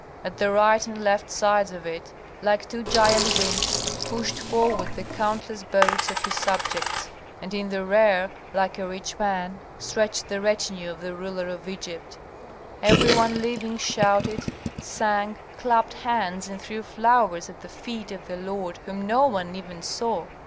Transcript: At the right and left sides of it, like two giant wings, pushed forward the countless boats of his subjects, and in the rear, like a rich fan, stretched the retinue of the ruler of Egypt. Every one living shouted, sang, clapped hands, and threw flowers at the feet of the lord whom no one even saw.